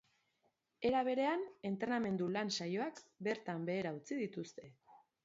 Era berean, entrenamendu lan saioak bertan behera utzi dituzte.